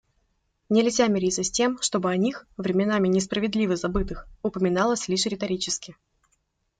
Нельзя мириться с тем, чтобы о них, временами несправедливо забытых, упоминалось лишь риторически.